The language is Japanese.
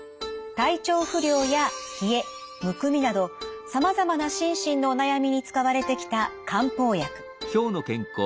体調不良や冷えむくみなどさまざまな心身のお悩みに使われてきた漢方薬。